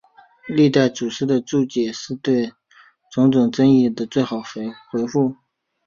历代祖师的注解是对种种争议的最好回复。